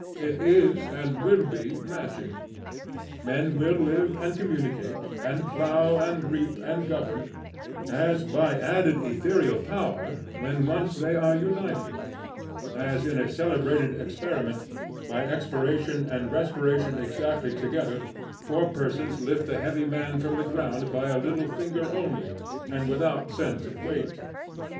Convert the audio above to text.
It is and will be magic. Men will live and communicate, and plough, and reap, and govern, as by added ethereal power, when once they are united; as in a celebrated experiment, by expiration and respiration exactly together, four persons lift a heavy man from the ground by the little finger only, and without sense of weight.